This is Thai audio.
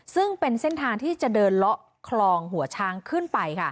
ซึ่งเป็นเส้นทางที่จะเดินเลาะคลองหัวช้างขึ้นไป